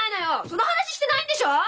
その話してないんでしょ！